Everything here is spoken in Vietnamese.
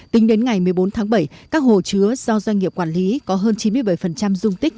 tính đến ngày một mươi bốn tháng bảy các hồ chứa do doanh nghiệp quản lý có hơn chín mươi bảy dung tích